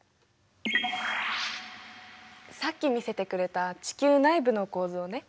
さっき見せてくれた地球内部の構造ね。